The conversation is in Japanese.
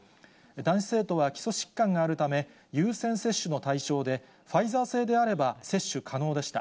男子生徒は基礎疾患があるため、優先接種の対象で、ファイザー製であれば、接種可能でした。